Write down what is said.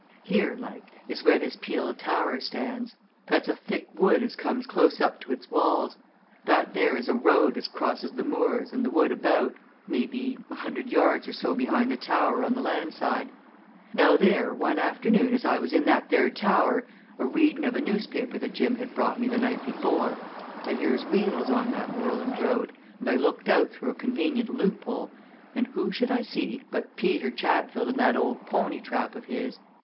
"Here, like, is where this peel tower stands that's a thick wood as comes close up to its walls that there is a road as crosses the moors and the wood about, maybe, a hundred yards or so behind the tower on the land side. Now, there, one afternoon as I was in that there tower, a reading of a newspaper that Jim had brought me the night before, I hears wheels on that moorland road, and I looked out through a convenient loophole, and who should I see but Peter Chatfield in that old pony trap of his.